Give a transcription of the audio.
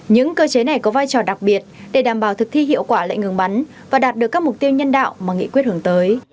những cơ chế này có vai trò đặc biệt để đảm bảo thực thi hiệu quả lệnh ngừng bắn và đạt được các mục tiêu nhân đạo mà nghị quyết hướng tới